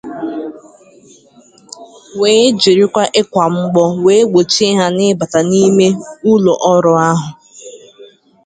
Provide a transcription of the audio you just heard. wee jiri ịkwà mgbọ wee gbochie ha ịbata n'ime ụlọọrụ ahụ